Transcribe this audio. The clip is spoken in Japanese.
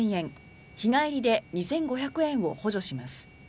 日帰りで２５００円を補助します。